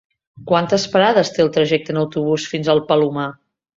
Quantes parades té el trajecte en autobús fins al Palomar?